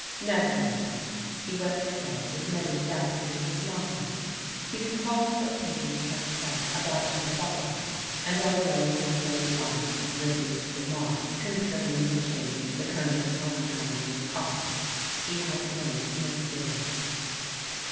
Nevertheless he went to bed with many doubts in his mind. He recalled what Peggy had said about her fa ther, and although he had made light of Riddler's re marks concerning the change the Colonel's home coming would cause, he had many misgivings.